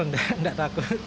kalau kolesterol nggak takut